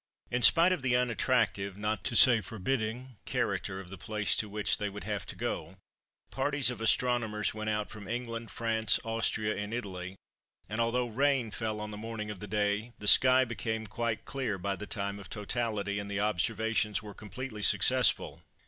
In spite of the unattractive, not to say forbidding, character of the place to which they would have to go, parties of astronomers went out from England, France, Austria, and Italy, and although rain fell on the morning of the day the sky became quite clear by the time of totality and the observations were completely successful.